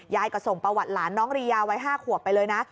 ก็ส่งประวัติหลานน้องรียาวัย๕ขวบไปเลยนะ